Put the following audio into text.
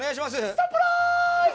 サプライズ。